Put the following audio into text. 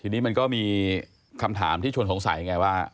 ทีนี้มันก็มีคำถามที่ชวนสงสัยไงว่า